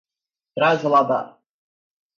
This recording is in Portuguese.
trasladar